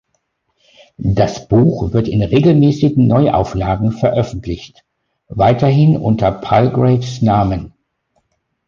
Das Buch wird in regelmäßigen Neuauflagen veröffentlicht, weiterhin unter Palgraves Namen.